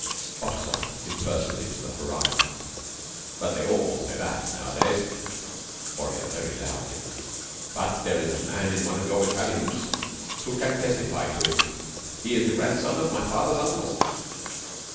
OFFICER (impersonally to horizon). But they all say that nowadays. WARRIOR (very loudly). But there is a man in one of your battalions who can testify to it. He is the grandson of my father's uncle.